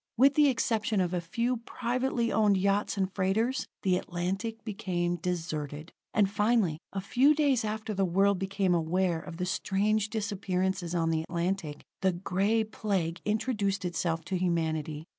With the exception of a few privately owned yachts and freighters, the Atlantic became deserted. And finally, a few days after the world became aware of the strange disappearances on the Atlantic, the Gray Plague introduced itself to humanity.